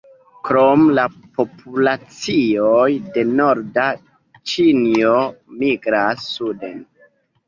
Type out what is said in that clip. Krome la populacioj de norda Ĉinio migras suden.